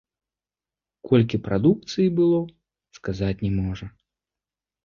Колькі прадукцыі было, сказаць не можа.